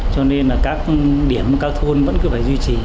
cho nên là các điểm các thôn vẫn cứ phải duy trì